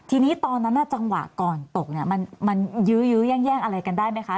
ทีนี้ตอนนั้นจังหวะก่อนตกเนี่ยมันยื้อแย่งอะไรกันได้ไหมคะ